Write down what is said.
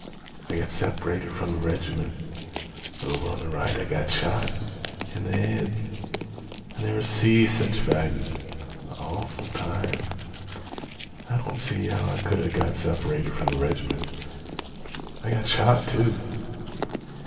I got separated from the reg'ment. Over on th' right, I got shot. In th' head. I never see sech fightin'. Awful time. I don't see how I could a' got separated from th' reg'ment. I got shot, too."